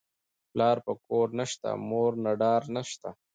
ـ پلار په کور نشته، مور نه ډار نشته.